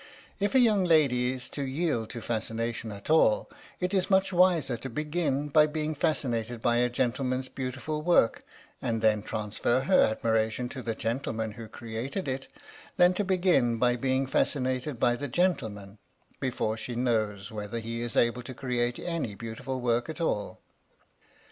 If a young lady is to yield to fascination at all, it is much wiser to begin by being fascinated by a gentleman's beau tiful work and then transfer her admiration to the gentleman who created it, than to begin by being fascinated by the gentleman before she knows THE STORY OF THE MIKADO whether he is able to create any beautiful work at all.